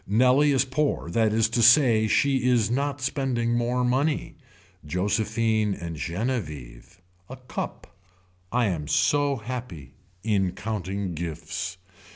Nellie is poor that is to say she is not spending more money. Josephine and Genevieve. A cup. I am so happy. In counting gifts.